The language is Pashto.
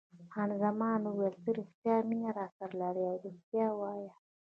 خان زمان وویل: ته رښتیا مینه راسره لرې او رښتیا وایه.